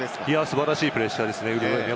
素晴らしいプレッシャーですね。